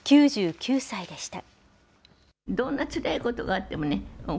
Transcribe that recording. ９９歳でした。